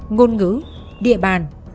ngôn ngữ địa bàn